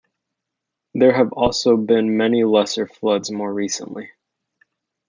There have also been many lesser floods more recently.